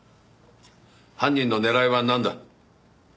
犯人の狙いはなんだ？